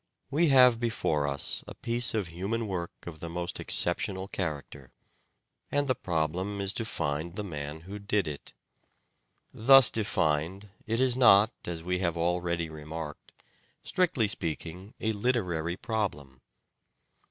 We have before us a piece of human work of the most exceptional character, and the problem is to find the man who did it. Thus defined, it is not, as we have already remarked, strictly speaking a literary problem.